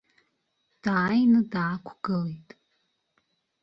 Дааины даақәгылеит.